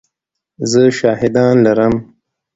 زه شاهدان لرم !